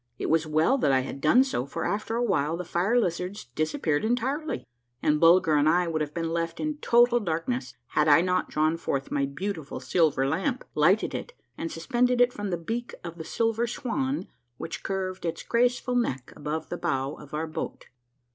It was well that I had done so, for after a while the fire lizards dis appeared entirely, and Bulger and 1 would have been left in total darkness, had I not drawn forth my beautiful silver lamp, lighted it, and suspended it from the beak of the silver swan which curved its graceful neck above the bow of our boat.